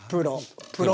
プロ。